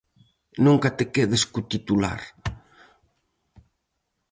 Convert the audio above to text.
Nunca te quedes co titular.